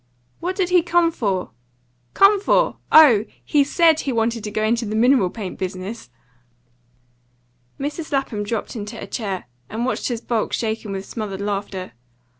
"What did he come for?" "Come for? Oh! he SAID he wanted to go into the mineral paint business." Mrs. Lapham dropped into a chair, and watched his bulk shaken with smothered laughter.